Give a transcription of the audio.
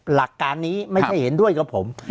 หลักการนี้ไม่ใช่เห็นด้วยกับผม